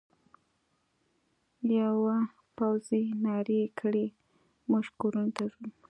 یوه پوځي نارې کړې: موږ کورونو ته ځو.